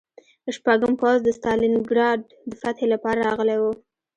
شپږم پوځ د ستالینګراډ د فتحې لپاره راغلی و